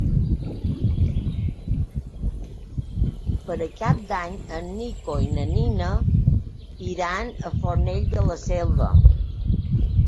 Per Cap d'Any en Nico i na Nina iran a Fornells de la Selva.